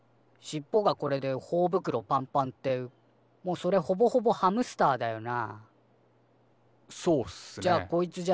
しっぽがこれでほおぶくろパンパンってもうそれほぼほぼハムスターだよな。